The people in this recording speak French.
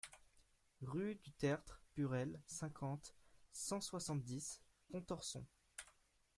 Rue du Tertre Burel, cinquante, cent soixante-dix Pontorson